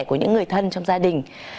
của những người thân trong gia đình